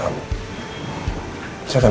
kamu ingin nyuarakan